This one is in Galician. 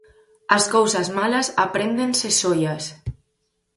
As cousas malas apréndense soias!